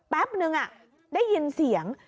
แป๊บนึงได้ยินเสียง